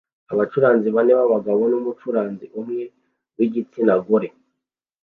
Abacuranzi bane b'abagabo n'umucuranzi umwe w'igitsina gore